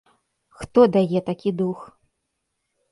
Хто дае такі дух?